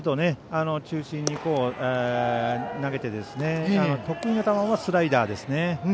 ストレート中心に投げて得意な球はスライダーですね。